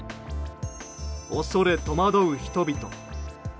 恐れ、戸惑う人々。